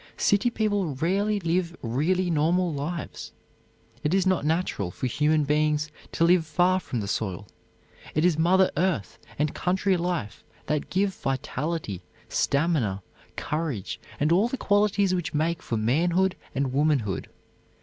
City people rarely live really normal lives. It is not natural for human beings to live far from the soil. It is Mother Earth and country life that give vitality, stamina, courage and all the qualities which make for manhood and womanhood.